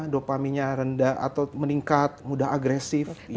dopaminnya rendah atau meningkat mudah agresif ya